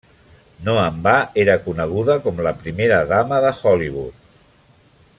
No en va era coneguda com la primera dama de Hollywood.